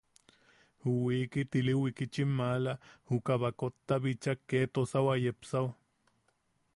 Ju wiikit, ili wikitchim maala, juka baakotta bichak kee tosau a yepsaʼu.